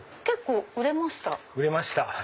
結構売れました？